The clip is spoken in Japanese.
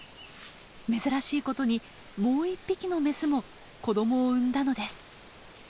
珍しいことにもう１匹のメスも子どもを産んだのです。